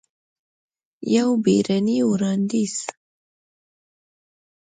یو بیړنې وړاندیز!